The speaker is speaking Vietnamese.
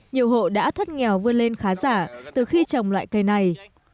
nhiều hộ đã thoát nghèo vươn lên khá giả từ khi trồng loại cây này